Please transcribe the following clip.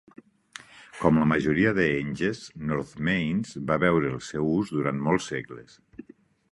Com la majoria de henges North Mains va veure el seu ús durant molts segles.